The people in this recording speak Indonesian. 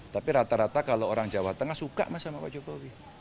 tapi rata rata kalau orang jawa tengah suka sama pak jokowi